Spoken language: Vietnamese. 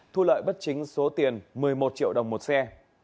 thu lợi bất chính số tiền một mươi một triệu đồng một xe